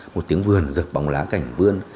một tiếng vườn giật bóng lá cảnh vươn